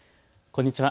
こんにちは。